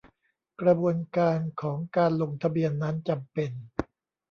กระบวนการของการลงทะเบียนนั้นจำเป็น